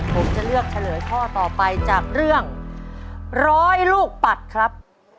ผมจะเลือกเฉลยข้อต่อไปจากเรื่องร้อยลูกปัดครับ